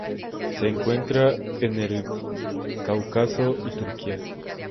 Se encuentra en el Cáucaso y Turquía.